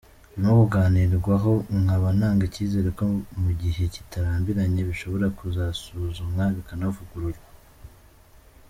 Birimo kuganirwaho, nkaba ntanga icyizere ko mu gihe kitarambiranye bishobora kuzasuzumwa bikanavugururwa”.